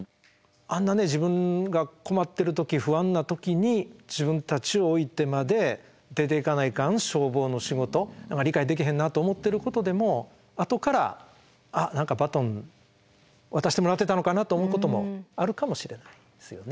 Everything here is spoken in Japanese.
あんな自分が困ってる時不安な時に自分たちを置いてまで出ていかないかん消防の仕事理解できへんなと思ってることでもあとからあっ何かバトン渡してもらってたのかなと思うこともあるかもしれないですよね。